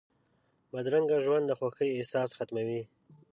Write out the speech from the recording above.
بدرنګه ژوند د خوښۍ احساس ختموي